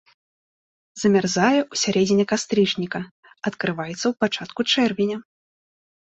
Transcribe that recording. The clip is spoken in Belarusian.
Замярзае ў сярэдзіне кастрычніка, адкрываецца ў пачатку чэрвеня.